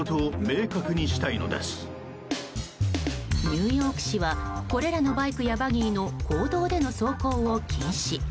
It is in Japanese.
ニューヨーク市はこれらのバイクやバギーの公道での走行を禁止。